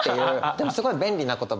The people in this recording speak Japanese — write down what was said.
でもすごい便利な言葉で。